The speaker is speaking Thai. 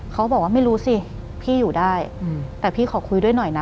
เขาบอกว่าไม่รู้สิพี่อยู่ได้แต่พี่ขอคุยด้วยหน่อยนะ